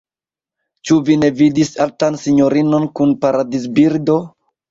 Ĉu vi ne vidis altan sinjorinon kun paradizbirdo?